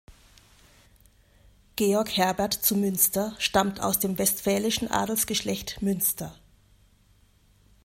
Georg Herbert zu Münster stammt aus dem westfälischen Adelsgeschlecht Münster.